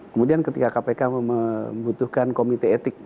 kemudian ketika kpk membutuhkan komite etik